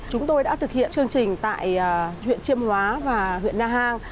chúng tôi đã thực hiện chương trình tại huyện chiêm hóa và huyện nha hang